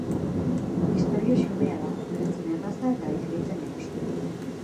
Istorio xumea da, ulertzen erraza, eta digeritzen erosoa.